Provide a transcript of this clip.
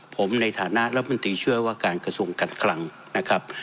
ผมในฐานะรัฐมนตรีเชื่อว่าการกระทรวงการคลังนะครับ